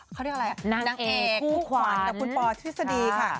เขาเรียกว่าอะไรนางเอกคู่ขวานและคุณปอร์ธริษฎีค่ะ